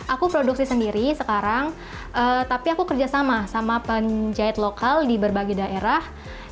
aku produksi sendiri sekarang tapi aku kerjasama sama penjahit lokal di berbagai daerah